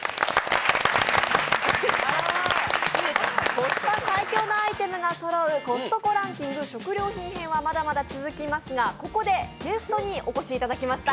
コスパ最強のアイテムがそろうコストコランキング食料品編はまだまだ続きますが、ここでゲストにお越しいただきました。